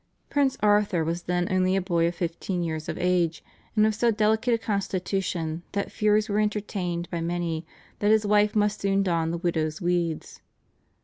Prince Arthur was then only a boy of fifteen years of age, and of so delicate a constitution that fears were entertained by many that his wife must soon don the widow's weeds.